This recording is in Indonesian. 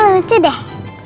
masalahnya lucu deh